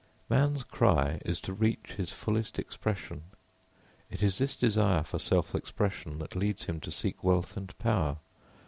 Man's cry is to reach his fullest expression. It is this desire for self expression that leads him to seek wealth and power.